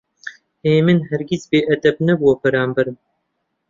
هێمن هەرگیز بێئەدەب نەبووە بەرامبەرم.